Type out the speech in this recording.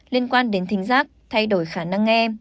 liên quan đến thính giác thay đổi khả năng nghe